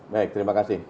baik terima kasih